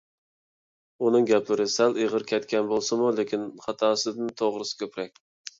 ئۇنىڭ گەپلىرى سەل ئېغىر كەتكەن بولسىمۇ، لېكىن خاتاسىدىن توغرىسى كۆپرەك.